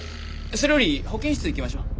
それより保健室行きましょう。